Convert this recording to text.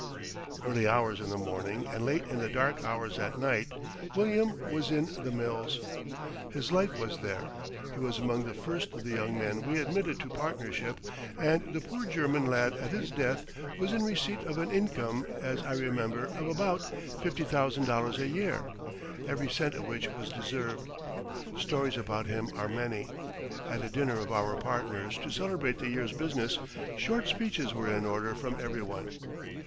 Early hours in the morning and late in the dark hours at night William was in the mills. His life was there. He was among the first of the young men we admitted to partnership, and the poor German lad at his death was in receipt of an income, as I remember, of about $50,000 a year, every cent of which was deserved. Stories about him are many. At a dinner of our partners to celebrate the year's business, short speeches were in order from every one.